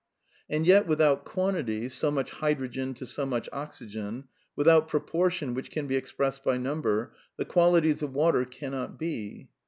And yet, without quantity, so much hydrogen to so much oxygen, without proportion which can be expressed by number, the qualities of water cannot be.